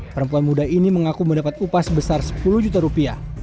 perempuan muda ini mengaku mendapat upah sebesar sepuluh juta rupiah